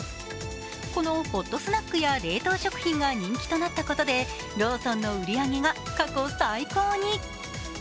このホットスナックや冷凍食品が人気となったことでローソンの売り上げが過去最高に。